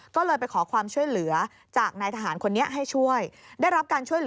ก็เลยไปขอความช่วยเหลือจากนายทหารคนนี้ให้ช่วย